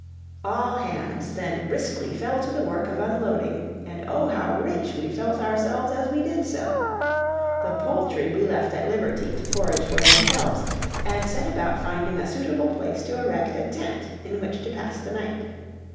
All hands then briskly fell to the work of unloading, and oh, how rich we felt ourselves as we did so! The poultry we left at liberty to forage for themselves, and set about finding a suitable place to erect a tent in which to pass the night.